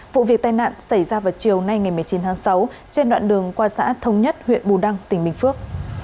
vụ việc tai nạn xảy ra vào chiều nay ngày một mươi chín tháng sáu trên đoạn đường qua xã thống nhất huyện bù đăng tỉnh bình phước